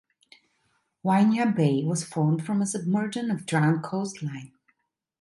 Winyah Bay was formed from a submergent or drowned coastline.